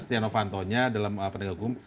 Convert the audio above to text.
setia novantonya dalam penegak hukum